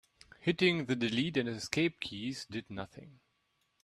Hitting the delete and escape keys did nothing.